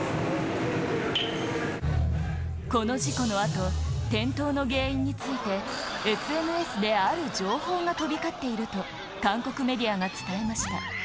この事故のあと、転倒の原因について、ＳＮＳである情報が飛び交っていると、韓国メディアが伝えました。